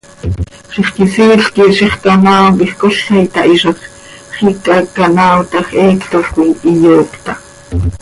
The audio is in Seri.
Zixquisiil quih ziix canaao quij cola itahizaj, xiica canaaotaj heecto coi iyoocta.